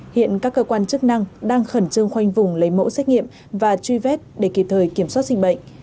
hiện các cơ quan chức năng đang khẩn trương khoanh vùng lấy mẫu xét nghiệm và truy vết để kịp thời kiểm soát dịch bệnh